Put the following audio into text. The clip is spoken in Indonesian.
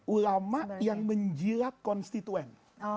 ulama yang menjilat konstituen